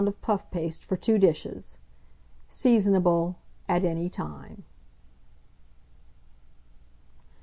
of puff paste for 2 dishes. Seasonable at any time.